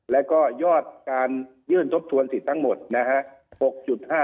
แล้วก็ยอดการยื่นทบทวนสิทธิ์ทั้งหมดนะฮะ